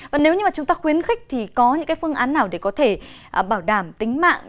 và nếu như mà chúng ta khuyến khích thì có những cái phương án nào để có thể bảo đảm tính mạng